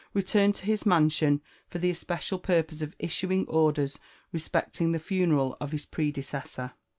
returned to his mansion for the especial purpose.oi issuing orders respecting the funeral of his predecessor.